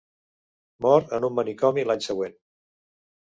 Mor en un manicomi l'any següent.